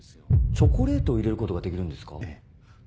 チョコレートを入れることができるんですか？